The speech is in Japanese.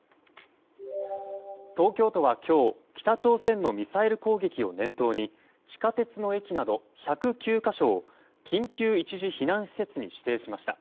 東京都は今日北朝鮮のミサイル攻撃を念頭に地下鉄の駅など１０９か所を緊急一時避難施設に指定しました。